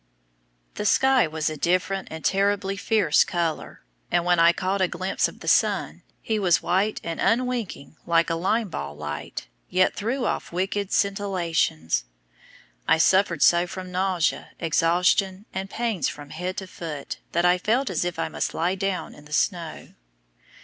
The sky was a different and terribly fierce color; and when I caught a glimpse of the sun, he was white and unwinking like a lime ball light, yet threw off wicked scintillations. I suffered so from nausea, exhaustion, and pains from head to foot, that I felt as if I must lie down in the snow.